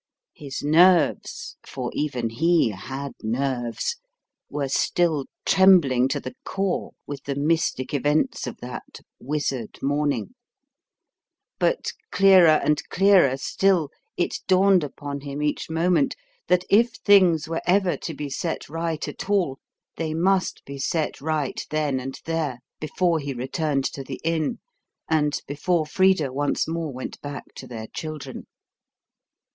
His nerves for even HE had nerves were still trembling to the core with the mystic events of that wizard morning; but clearer and clearer still it dawned upon him each moment that if things were ever to be set right at all they must be set right then and there, before he returned to the inn, and before Frida once more went back to their children.